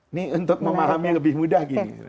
ini untuk memahami lebih mudah